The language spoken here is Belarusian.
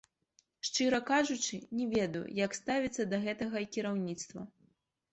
Шчыра кажучы, не ведаю, як ставіцца да гэтага кіраўніцтва.